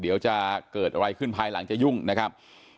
เดี๋ยวจะเกิดอะไรขึ้นภายหลังจะยุ่งนะครับ